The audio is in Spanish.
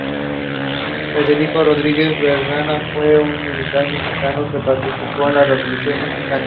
Federico Rodríguez Berlanga fue un militar mexicano que participó en la Revolución mexicana.